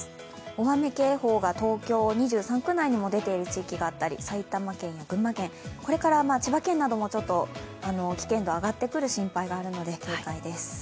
大雨警報が東京２３区内にも出ている地域があったり、埼玉県や群馬県これから千葉県などもちょっと危険度が上がってくる心配があるので警戒です。